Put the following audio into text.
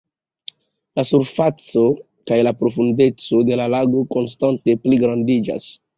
La surfaco kaj la profundeco de la lago konstante pligrandiĝas.